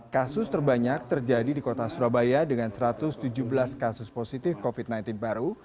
kasus terbanyak terjadi di kota surabaya dengan satu ratus tujuh belas kasus positif covid sembilan belas baru